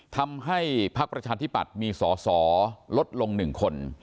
ทำให้ภักดิ์ประชาธิปัตย์มีสอลดลง๑คน